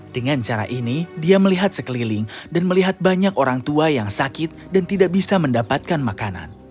dengan cara ini dia melihat sekeliling dan melihat banyak orang tua yang sakit dan tidak bisa mendapatkan makanan